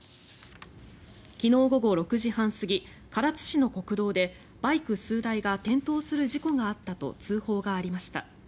昨日午後６時半過ぎ唐津市の国道でバイク数台が転倒する事故があったと通報がありました。